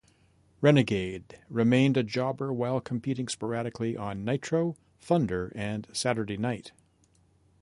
Renegade remained a jobber while competing sporadically on "Nitro", "Thunder", and "Saturday Night".